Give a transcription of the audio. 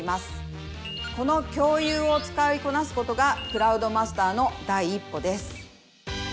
この共有を使いこなすことがクラウドマスターの第一歩です。